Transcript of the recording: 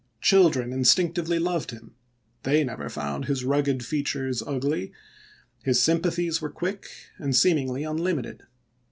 Children instinctively loved him; they never found his rugged features ugly; his sympathies were quick and seemingly unlimited.